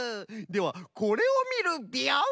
ではこれをみるビヨン！